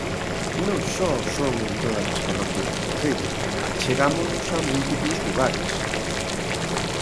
Non só son en todas as parroquias do concello; achegámonos a múltiples lugares.